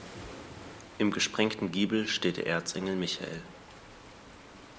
Im gesprengten Giebel steht der Erzengel Michael.